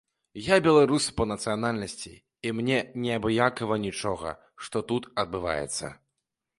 Я беларус па нацыянальнасці, і мне неабыякава нічога, што тут адбываецца.